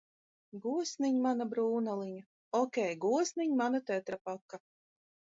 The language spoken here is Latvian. Gosniņ, mana brūnaliņa... Okei, gosniņ, mana tetrapaka!